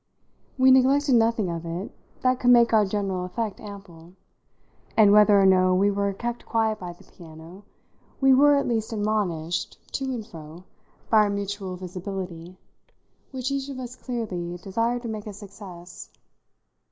We neglected nothing of it that could make our general effect ample, and whether or no we were kept quiet by the piano, we were at least admonished, to and fro, by our mutual visibility, which each of us clearly, desired to make a success.